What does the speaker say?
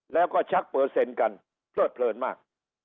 แล้วก็ชักเปอร์เซ็นต์กันเพลิดเพลินมาก